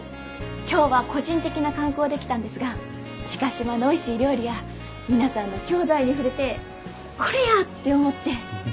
今日は個人的な観光で来たんですが知嘉島のおいしい料理や皆さんの郷土愛に触れてこれや！って思って。